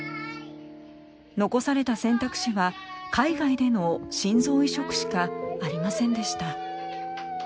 残された選択肢は海外での心臓移植しかありませんでした。